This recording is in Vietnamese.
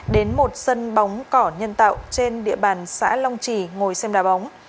đến một sân bóng cỏ nhân tạo trên địa bàn xã long trì ngồi xem đà bóng